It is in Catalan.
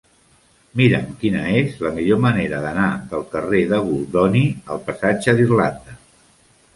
Mira'm quina és la millor manera d'anar del carrer de Goldoni al passatge d'Irlanda.